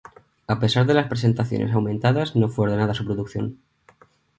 A pesar de las prestaciones aumentadas, no fue ordenada su producción.